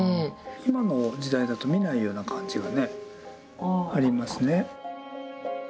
今の時代だと見ないような漢字がねありますね。